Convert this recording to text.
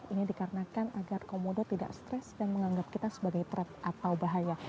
ini dikarenakan agar komodo tidak stres dan menganggap kita sebagai trap atau bahaya